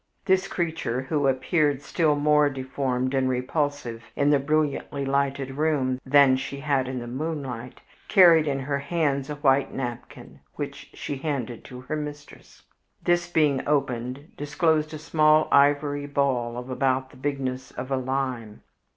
This creature, who appeared still more deformed and repulsive in the brilliantly lighted room than she had in the moonlight, carried in her hands a white napkin, which she handed to her mistress. This being opened, disclosed a small ivory ball of about the bigness of a lime.